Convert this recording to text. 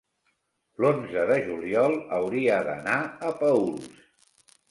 l'onze de juliol hauria d'anar a Paüls.